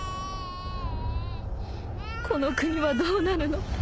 この国はどうなるの？